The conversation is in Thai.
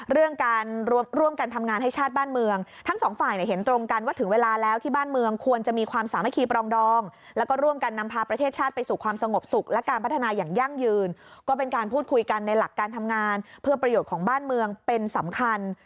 เรื่องการร่วมกันทำงานให้ชาติบ้านเมืองทั้งสองฝ่ายเนี่ยเห็นตรงกันว่าถึงเวลาแล้วที่บ้านเมืองควรจะมีความสามัคคีปรองดองแล้วก็ร่วมกันนำพาประเทศชาติไปสู่ความสงบสุขและการพัฒนาอย่างยั่งยืนก็เป็นการพูดคุยกันในหลักการทำงานเพื่อประโยชน์ของบ้านเมืองเป็นสำคัญ